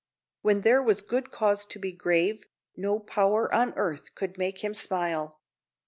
When there was good cause to be grave, no power on earth could make him smile.